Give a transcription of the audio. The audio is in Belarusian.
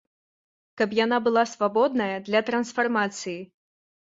Каб яна была свабодная для трансфармацыі.